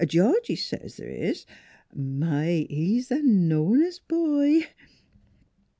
Georgie says th' is. My! he's th' knowin'est boy!